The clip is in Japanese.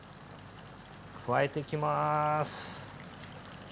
加えていきます。